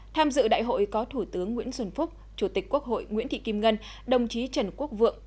tham dự đại hội có thủ tướng nguyễn xuân phúc chủ tịch quốc hội nguyễn thị kim ngân đồng chí trần quốc vượng